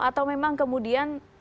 atau memang kemudian